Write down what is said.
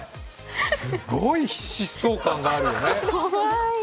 すごい疾走感があるね。